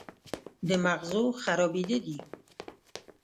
د مغزو خرابېده دي